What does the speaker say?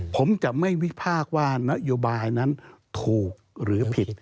ผมจะไม่วิพากษ์ว่านโยบายนั้นถูกหรือผิด